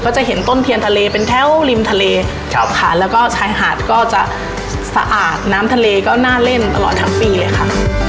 จะเห็นต้นเทียนทะเลเป็นแถวริมทะเลแล้วก็ชายหาดก็จะสะอาดน้ำทะเลก็น่าเล่นตลอดทั้งปีเลยค่ะ